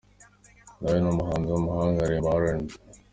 Na we ni umuhanzi w’umuhanga, aririmba RnB.